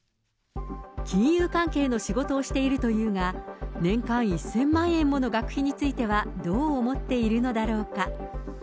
金融関係の仕事をしているというが、年間１０００万円もの学費については、どう思っているのだろうか。